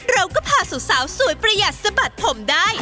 เราก็พาสาวสวยประหยัดสะบัดผมได้